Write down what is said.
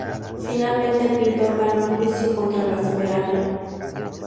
Finalmente, el pintor ganó el juicio contra la soberana.